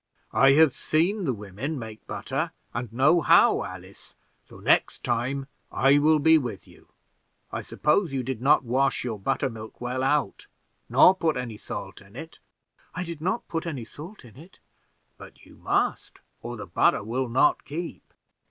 "I have seen the women make butter, and know how, Alice; so next time I will be with you. I suppose you did not wash your butter milk well out, nor put any salt in it?" "I did not put any salt in it." "But you must, or the butter will not keep."